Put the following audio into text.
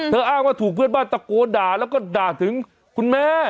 อ้างว่าถูกเพื่อนบ้านตะโกนด่าแล้วก็ด่าถึงคุณแม่